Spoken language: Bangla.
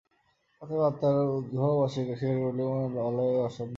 অতএব আত্মার উদ্ভব স্বীকার করিলে উহার লয়ও অবশ্যম্ভাবী।